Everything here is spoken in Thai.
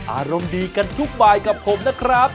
อารมณ์ดีกันทุกบายกับผมนะครับ